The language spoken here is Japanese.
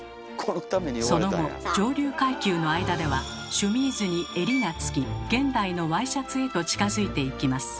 その後上流階級の間ではシュミーズに襟が付き現代のワイシャツへと近づいていきます。